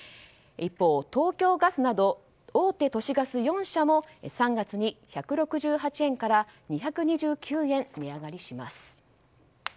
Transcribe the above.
一方、東京ガスなど大手都市ガス４社も３月に１６８円から２２９円値上がりします。